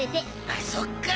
あそっか。